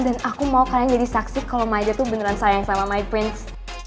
dan aku mau kalian jadi saksi kalo my dad beneran sayang sama my prince